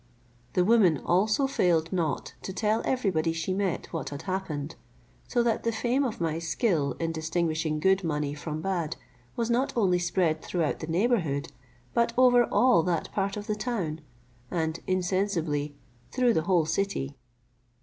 The woman also failed not to tell everybody she met what had happened; so that the fame of my skill in distinguishing good money from bad was not only spread throughout the neighbourhood, but over all that part of the town, and insensibly through the whole city.